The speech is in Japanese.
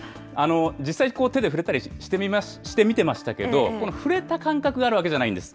実際、手で触れたりしてみてましたけど、触れた感覚があるわけじゃないんです。